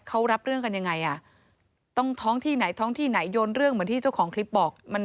เขารับเรื่องกันยังไงอ่ะต้องท้องที่ไหนท้องที่ไหนโยนเรื่องเหมือนที่เจ้าของคลิปบอกมัน